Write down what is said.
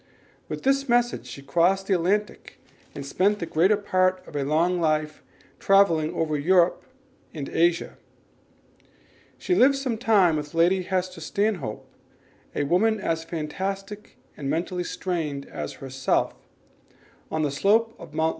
With this message she crossed the Atlantic and spent the greater part of a long life in travelling over Europe and Asia. She lived some time with Lady Hester Stanhope, a woman as fantastic and mentally strained as herself, on the slope of Mt.